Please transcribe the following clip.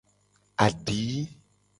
Adi.